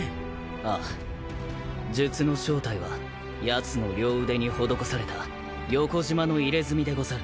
ああ術の正体はやつの両腕に施された横じまの入れ墨でござる。